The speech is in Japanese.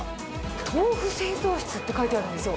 豆腐製造室って書いてあるんですよ。